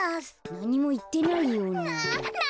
なにもいってないような。